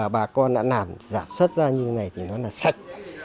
bà con đã làm giả xuất ra như thế này thì nó là sạch